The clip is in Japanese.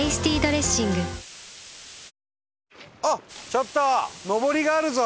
ちょっとのぼりがあるぞ！